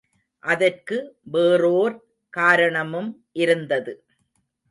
அதற்கு வேறோர் காரணமும் இருந்தது.